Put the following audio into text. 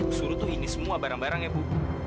w burse statu loren teman angga ibu